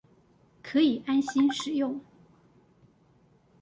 可以安心使用